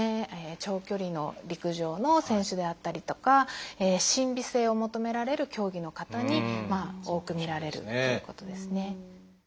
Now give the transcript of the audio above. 長距離の陸上の選手であったりとか審美性を求められる競技の方に多く見られるっていうことですね。